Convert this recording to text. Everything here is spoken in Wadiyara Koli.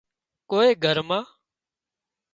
ڪوئي گھر مان